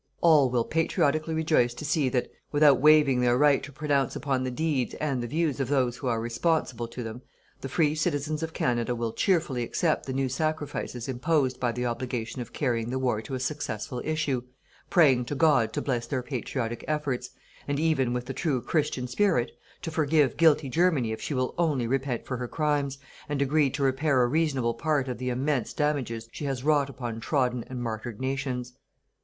All will patriotically rejoice to see that without waiving their right to pronounce upon the deeds and the views of those who are responsible to them, the free citizens of Canada will cheerfully accept the new sacrifices imposed by the obligation of carrying the war to a successful issue, praying to God to bless their patriotic efforts, and even with the true Christian spirit, to forgive guilty Germany if she will only repent for her crimes, and agree to repair a reasonable part of the immense damages she has wrought upon trodden and martyred nations.